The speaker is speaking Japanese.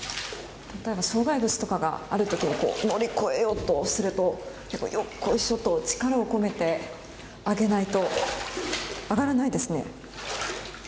障害物とかがある時に乗り越えようとするとよっこいしょと力を込めて上げないと上がらないですね。